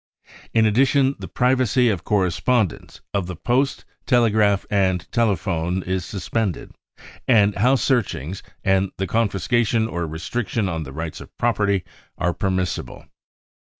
In addition, the privacy of correspondence, of the post, telegraph and telephone is suspended, and house searchings and the confiscation or restriction on the rights of property are permissible.